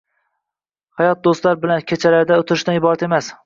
Hayot do‘stlar bilan kechalarda o‘tirishdan iborat emas